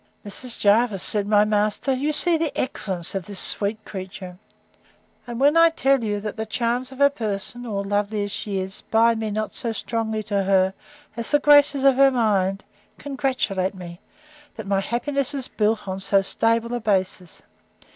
Mrs. Jervis, said my master, you see the excellency of this sweet creature! And when I tell you that the charms of her person, all lovely as she is, bind me not so strongly to her, as the graces of her mind; congratulate me, that my happiness is built on so stable a basis.